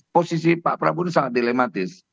posisi pak prabowo ini sangat dilematis